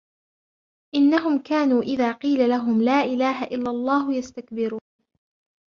إِنَّهُمْ كَانُوا إِذَا قِيلَ لَهُمْ لَا إِلَهَ إِلَّا اللَّهُ يَسْتَكْبِرُونَ